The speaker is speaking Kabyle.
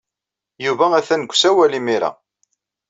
Yuba atan deg usawal imir-a.